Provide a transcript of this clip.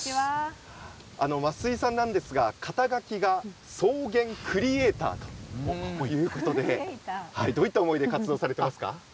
増井さんなんですが、肩書が草原クリエーターということでどういった思いで活動されていますか？